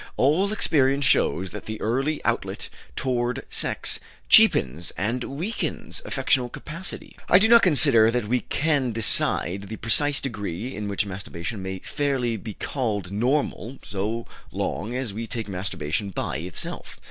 All experience shows that the early outlet toward sex cheapens and weakens affectional capacity." I do not consider that we can decide the precise degree in which masturbation may fairly be called normal so long as we take masturbation by itself.